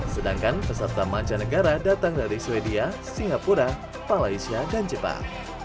sedangkan peserta mancanegara datang dari sweden singapura malaysia dan jepang